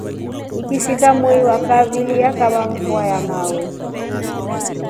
Ikishilka mwei ya kaili yakava mvua ya masawe.